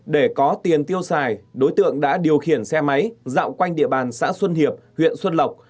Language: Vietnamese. để có tiền tiêu xài đối tượng đã điều khiển xe máy dạo quanh địa bàn xã xuân hiệp huyện xuân lộc